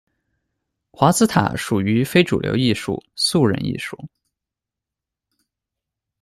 华兹塔属于非主流艺术、素人艺术。